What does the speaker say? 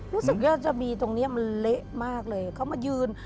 รู้สึกว่าจะมีตรงนี้มันเละมากเลยเขามายืน